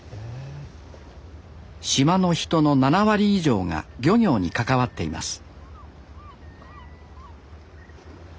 島の人の７割以上が漁業に関わっています